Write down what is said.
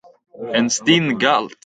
En stinn galt.